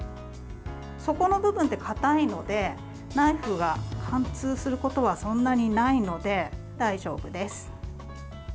底の部分って硬いのでナイフが貫通することはそんなにないので大丈夫です。